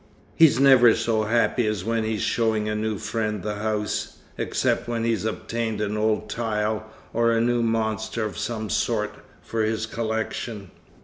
He's never so happy as when he's showing a new friend the house except when he's obtained an old tile, or a new monster of some sort, for his collection."